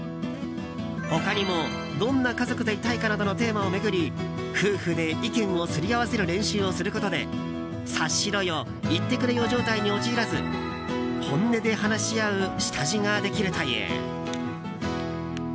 他にも、どんな家族でいたいかなどのテーマを巡り夫婦で意見をすり合わせる練習をすることで察しろよ、言ってくれよ状態に陥らず本音で話し合う下地ができるという。